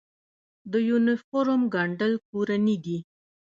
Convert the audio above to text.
د یونیفورم ګنډل کورني دي؟